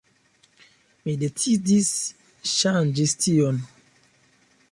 Mi decidis ŝanĝis tion.